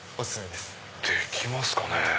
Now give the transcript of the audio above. できますかね。